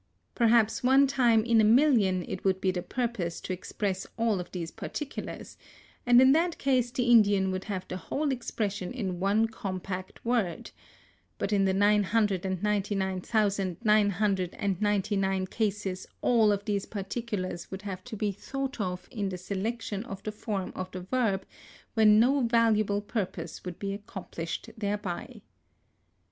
Perhaps one time in a million it would be the purpose to express all of these particulars, and in that case the Indian would have the whole expression in one compact word, but in the nine hundred and ninety nine thousand nine hundred and ninety nine cases all of these particulars would have to be thought of in the selection of the form of the verb, when no valuable purpose would be accomplished thereby.